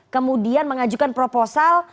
kemudian mengajukan proposal